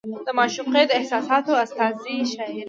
د معشوقې د احساساتو استازې شاعري